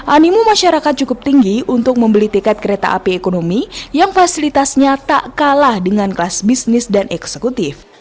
animu masyarakat cukup tinggi untuk membeli tiket kereta api ekonomi yang fasilitasnya tak kalah dengan kelas bisnis dan eksekutif